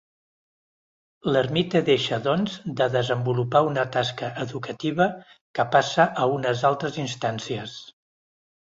L'ermita deixa, doncs, de desenvolupar una tasca educativa, que passa a unes altres instàncies.